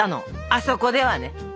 あそこでは？